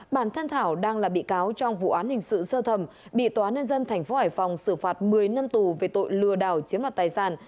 bản thân thảo đang là bị cáo trong vụ án hình sự sơ thẩm bị tòa nhân dân tp hải phòng xử phạt một mươi năm tù về tội lừa đảo chiếm đoạt tài sản